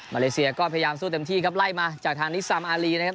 เลเซียก็พยายามสู้เต็มที่ครับไล่มาจากทางนิซามอารีนะครับ